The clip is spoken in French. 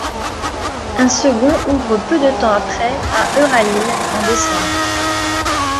Un second ouvre peu de temps après à Euralille en décembre.